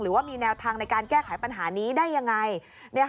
ว่ามีแนวทางในการแก้ไขปัญหานี้ได้ยังไง